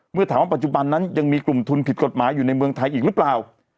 เมื่อถามว่าปัจจุบันนั้นยังมีกลุ่มทุนผิดกฎหมายอยู่ในเมืองไทยอีกหรือเปล่า